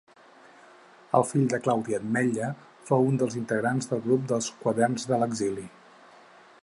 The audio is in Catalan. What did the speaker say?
Fill de Claudi Ametlla, fou un dels integrants del grup dels Quaderns de l'exili.